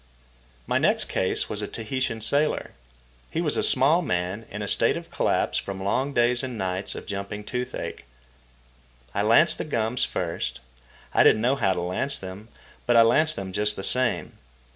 My next case was a Tahitian sailor. He was a small man, in a state of collapse from long days and nights of jumping toothache. I lanced the gums first. I didn't know how to lance them, but I lanced them just the same.